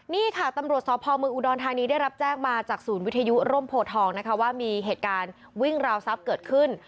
นี่ค่ะตำรวจสพเมืองอุดรธานีได้รับแจ้งมาจากศูนย์วิทยุร่มโพทองนะคะว่ามีเหตุการณ์วิ่งราวทรัพย์เกิดขึ้น